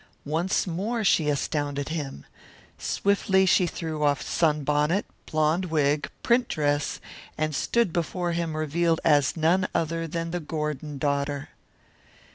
Once more she astounded him. Swiftly she threw off sunbonnet, blonde wig, print dress, and stood before him revealed as none other than the Gordon daughter.